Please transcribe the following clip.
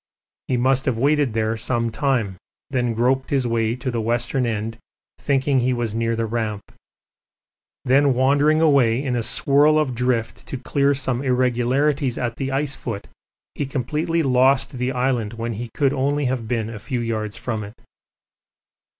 He must have waited there some time, then groped his way to the western end thinking he was near the Ramp. Then wandering away in a swirl of drift to clear some irregularities at the ice foot, he completely lost the island when he could only have been a few yards from it.